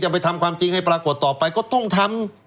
ไปทำความจริงให้ปรากฏต่อไปก็ต้องทำ